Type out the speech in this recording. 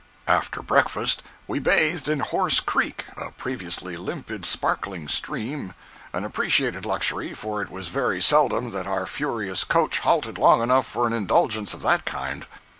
After breakfast, we bathed in Horse Creek, a (previously) limpid, sparkling stream—an appreciated luxury, for it was very seldom that our furious coach halted long enough for an indulgence of that kind.